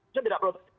itu tidak perlu